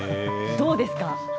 どうですか。